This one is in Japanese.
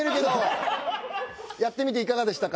やってみていかがでしたか？